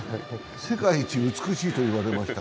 世界一美しいと言われました。